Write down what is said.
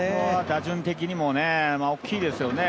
打順的にも大きいですよね。